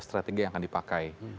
strategi yang akan dipakai